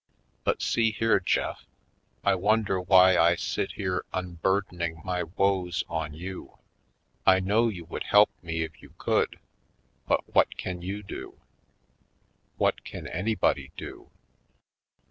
But see here, Jeff, I wonder why I sit here unburdening my woes on you? I know you would help me if you could, but what can you do? What can anybody do?"